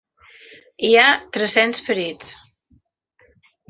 Hi ha tres-cents ferits.